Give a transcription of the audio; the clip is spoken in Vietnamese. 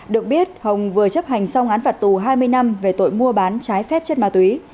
được biết hồng vừa chấp hành xong án phạt tù hai mươi năm về tội mua bán trái phép chất ma túy